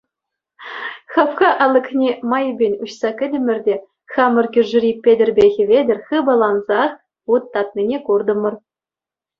Хапха алӑкне майӗпен уҫса кӗтӗмӗр те хамӑр кӳршӗри Петӗрпе Хӗветӗр хыпалансах вут татнине куртӑмӑр.